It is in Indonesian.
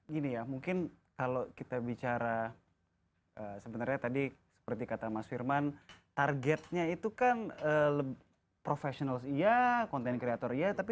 gini ya mungkin kalau kita bicara sebenarnya tadi seperti kata mas firman targetnya itu kan lebih profesional iya content creator iya